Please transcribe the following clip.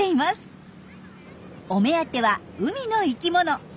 お目当ては海の生きもの。